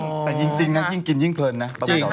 แต่จริงนะยิ่งกินยิ่งเพลินนะ